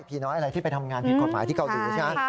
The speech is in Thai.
น้อยอะไรที่ไปทำงานผิดกฎหมายที่เกาหลีใช่ไหม